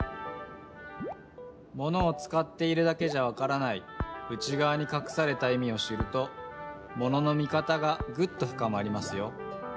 ものをつかっているだけじゃわからない内がわにかくされたいみを知るとものの見方がぐっとふかまりますよ。